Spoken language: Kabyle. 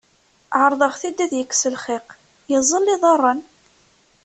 Σerḍeɣ-t-id ad yekkes lxiq, yeẓẓel iḍarren.